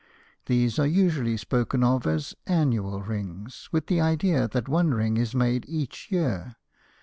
These are usually spoken of as "annual rings," with the idea that one ring is made each year.